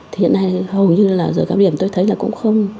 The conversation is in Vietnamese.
thì hiện nay hầu như là giờ cao điểm tôi thấy là cũng không